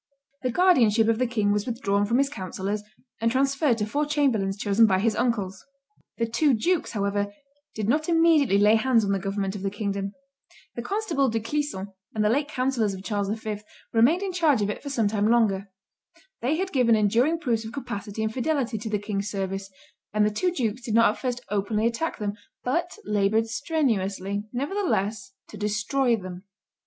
The guardianship of the king was withdrawn from his councillors, and transferred to four chamberlains chosen by his uncles. The two dukes, however, did not immediately lay hands on the government of the kingdom; the constable De Clisson and the late councillors of Charles V. remained in charge of it for some time longer; they had given enduring proofs of capacity and fidelity to the king's service; and the two dukes did not at first openly attack them, but labored strenuously, nevertheless, to destroy them.